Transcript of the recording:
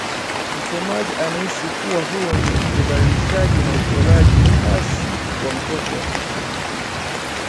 Msomaji anahisi kuwa huo ni udhalilishaji na uchoraji hasi wa mtoto wa kike